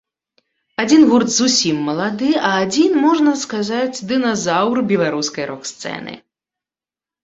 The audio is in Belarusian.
Адзін гурт зусім малады, а адзін, можна сказаць, дыназаўр беларускай рок-сцэны.